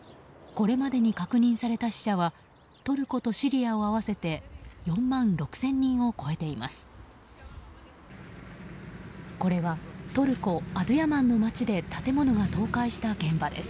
これまでに確認された死者はトルコとシリアを合わせて４万６０００人を超えています。